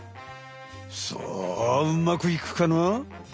さあうまくいくかな？